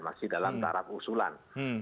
masih dalam taraf usulan